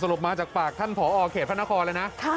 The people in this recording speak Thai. สรุปมาจากปากท่านพอเขตพนครเลยนะ